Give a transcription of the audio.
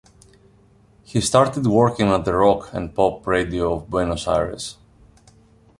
He started working at the Rock and Pop radio of Buenos Aires.